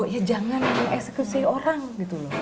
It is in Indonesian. ya jangan mengeksekusi orang gitu loh